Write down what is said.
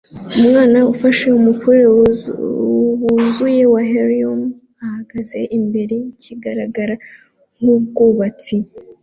Umwana ufashe umupira wuzuye wa helium ahagaze imbere yikigaragara nkubwubatsi